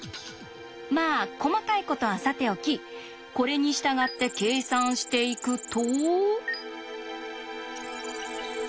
まあ細かいことはさておきこれに従って計算していくと。